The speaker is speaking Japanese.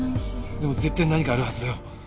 でも絶対何かあるはずだよ。